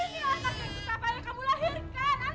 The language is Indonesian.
ini anak yang susah banyak kamu lahirkan